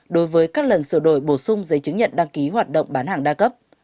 đối với các lần sửa đổi bổ sung giấy chứng nhận đăng ký hoạt động bán hàng đa cấp